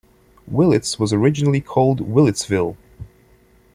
Willits was originally called Willitsville.